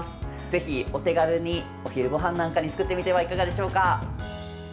ぜひお手軽にお昼ごはんなんかに作ってみてはいかがでしょうか。